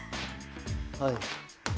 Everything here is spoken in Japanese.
はい。